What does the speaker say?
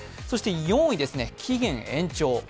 そして４位ですね、期限延長。